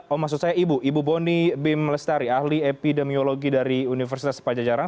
oh maksud saya ibu ibu boni bim lestari ahli epidemiologi dari universitas pajajaran